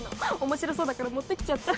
面白そうだから持ってきちゃった。